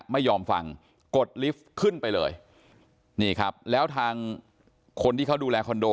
ไม่ยอมฟังกดลิฟต์ขึ้นไปเลยนี่ครับแล้วทางคนที่เขาดูแลคอนโด